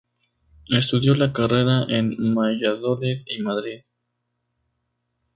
Estudió la carrera en Valladolid y Madrid.